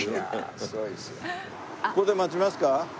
ここで待ちますか？